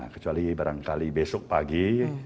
kecuali barangkali besok pagi